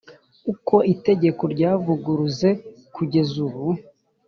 uko itegeko ryavuguruze kugeza ubu